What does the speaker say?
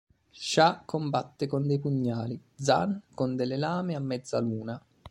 Sha combatte con dei pugnali, Zhan con delle lame a mezza luna.